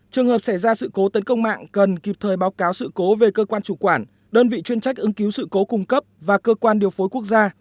trường hợp xảy ra sự cố tấn công mạng cần kịp thời báo cáo sự cố về cơ quan chủ quản đơn vị chuyên trách ứng cứu sự cố cung cấp và cơ quan điều phối quốc gia